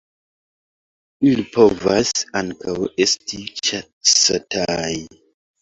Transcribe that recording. Ili povas ankaŭ esti ĉasataj.